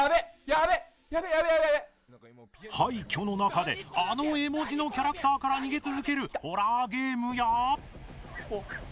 廃墟の中で、あの絵文字のキャラクターから逃げ続けるホラーゲームや。